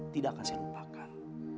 tidak akan saya lupakan